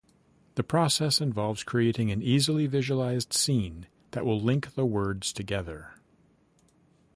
The process involves creating an easily visualized scene that will link the words together.